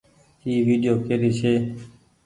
اي ويڊيو ڪيري ڇي۔